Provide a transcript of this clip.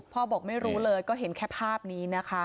บอกไม่รู้เลยก็เห็นแค่ภาพนี้นะคะ